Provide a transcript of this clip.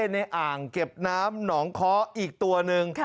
ในอ่างเก็บน้ำหนองค้ออีกตัวหนึ่ง